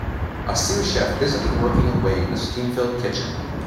A sous chef busily working away in a steamfilled kitchen.